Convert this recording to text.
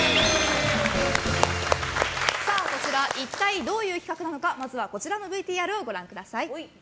一体どういう企画なのかまずはこちらのＶＴＲをご覧ください。